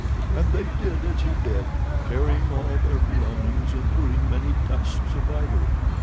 "And they did as he bid, carrying all their belongings, including many tusks of ivory.